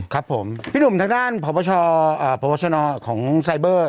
ครับผมพี่หนุ่มทางด้านพบชนของไซเบอร์